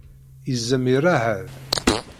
Izem iṛeɛɛed.